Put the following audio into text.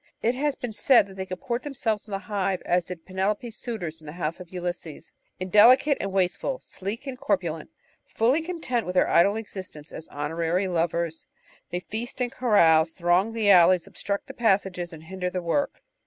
It has been said that they com port themselves in the hive as did Penelope's suitors in the house of Ulysses: "Indelicate and wasteful, sleek and corpulent, fully content with their idle existence as honorary lovers, they feast and carouse, throng the alleys, obstruct the passages, and hinder the work."